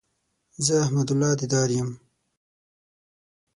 زه احمد الله ديدار يم